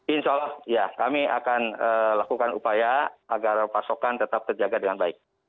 insya allah ya kami akan lakukan upaya agar pasokan tetap terjaga dengan baik